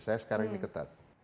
saya sekarang ini ketat